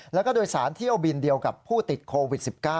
แล้วก็โดยสารเที่ยวบินเดียวกับผู้ติดโควิด๑๙